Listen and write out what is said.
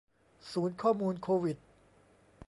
ศูนย์ข้อมูลโควิด